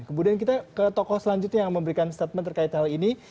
kemudian kita ke tokoh selanjutnya yang memberikan statement terkait hal ini